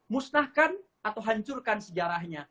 musnahkan atau hancurkan sejarahnya